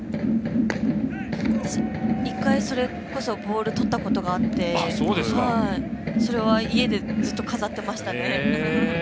１回それこそボールとったことあってそれは家でずっと飾ってましたね。